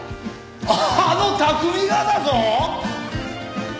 あの拓海がだぞ！